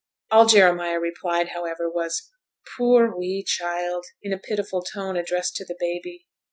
All Jeremiah replied, however, was, 'Poor wee child!' in a pitiful tone, addressed to the baby.